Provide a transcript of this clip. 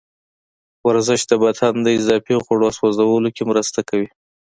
ورزش د بدن د اضافي غوړو سوځولو کې مرسته کوي.